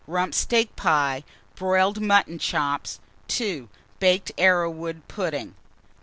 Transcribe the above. Rump steak pie, broiled mutton chops. 2. Baked arrowroot pudding.